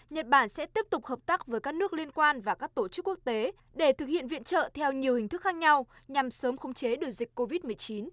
nhật bản sẽ tiếp tục hợp tác với các nước liên quan và các tổ chức quốc tế để thực hiện viện trợ theo nhiều hình thức khác nhau nhằm sớm không chế được dịch covid một mươi chín